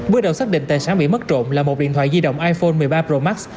bước đầu xác định tài sản bị mất trộm là một điện thoại di động iphone một mươi ba pro max